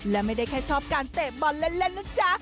และไม่ได้แค่ชอบการเตะบอลเล่นนะจ๊ะ